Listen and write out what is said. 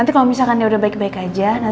nanti kalau misalkan dia udah baik baik aja